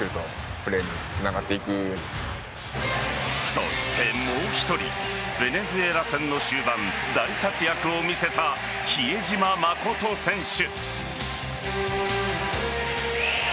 そして、もう１人ベネズエラ戦の終盤大活躍を見せた比江島慎選手。